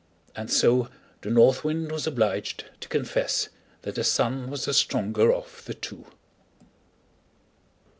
And so the North Wind was obliged to confess that the Sun was the stronger of the two.